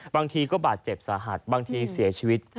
บางทีก็บาดเจ็บสาหัสบางทีเสียชีวิต